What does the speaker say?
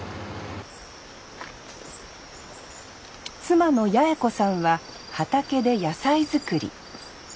妻の八枝子さんは畑で野菜作り。